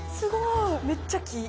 めっちゃ木。